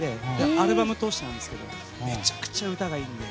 アルバム通してなんですけどめちゃくちゃ歌がいいので。